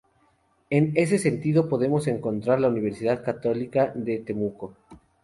En ese sentido podemos encontrar la Universidad Católica de Temuco.